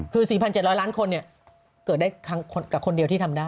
คือ๔๗๐๐ล้านคนเกิดได้กับคนเดียวที่ทำได้